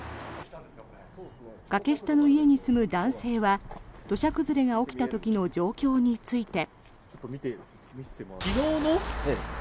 崖下の家に住む男性は土砂崩れが起きた時の状況について。